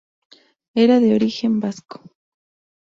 Era de origen vasco.